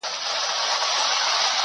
هم پخپله څاه کینو هم پکښي لوېږو-